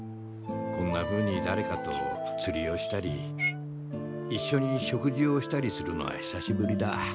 こんなふうにだれかと釣りをしたりいっしょに食事をしたりするのは久しぶりだ。